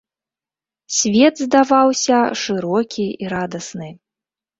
Свет здаваўся шырокі і радасны.